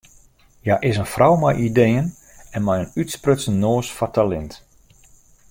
Hja is in frou mei ideeën en mei in útsprutsen noas foar talint.